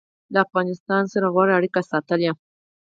له افغانستان سره غوره اړیکې ساتلي